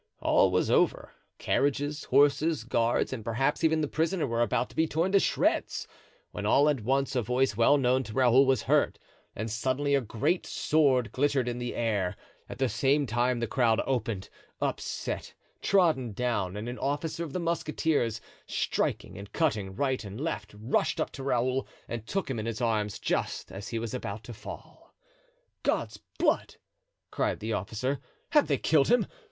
All was over; carriages, horses, guards, and perhaps even the prisoner were about to be torn to shreds, when all at once a voice well known to Raoul was heard, and suddenly a great sword glittered in the air; at the same time the crowd opened, upset, trodden down, and an officer of the musketeers, striking and cutting right and left, rushed up to Raoul and took him in his arms just as he was about to fall. "God's blood!" cried the officer, "have they killed him?